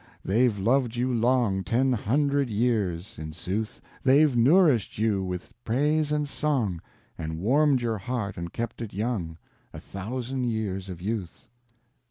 They've loved you long Ten hundred years, in sooth, They've nourished you with praise and song, And warmed your heart and kept it young— A thousand years of youth!